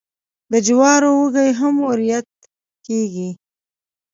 د جوارو وږي هم وریت کیږي.